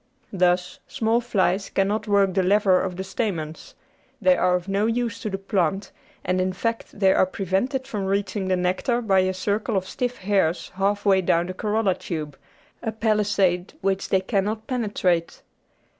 Thus, small flies cannot work the lever of the 632 The Outline of Science stamens: they are of no use to the plant, and in fact they are prevented from reaching the nectar by a circle of stiff hairs half way down the corolla tube, a palisade which they cannot penetrate.